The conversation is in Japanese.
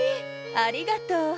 ありがとう。